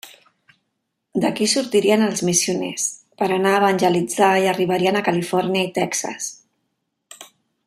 D'aquí sortirien els missioners per anar a evangelitzar i arribarien a Califòrnia i Texas.